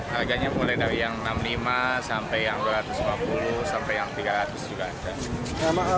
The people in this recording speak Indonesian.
harganya mulai dari yang rp enam puluh lima sampai yang dua ratus lima puluh sampai yang rp tiga ratus juga ada